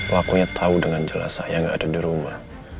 wakunya tau dengan jelas saya gak ada di rumah